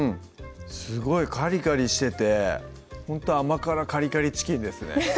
すごいカリカリしててほんと「甘辛カリカリチキン」ですね